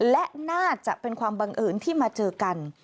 และน่าจะเป็นความบังเอิญที่มาเจอกัน